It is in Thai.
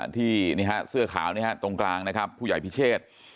ที่นี่ฮะเสื้อขาวตรงกลางนะครับผู้ใหญ่พิเชษ